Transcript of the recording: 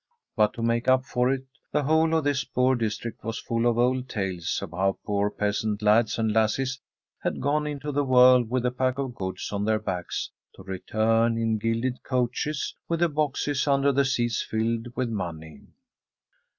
But to make up for it, the whole of this poor district was full of old tales of how poor peasant lads and lassies had gone into the world with a pack of goods on their backs, to return in gilded coaches, with the boxes under the seats filled with money.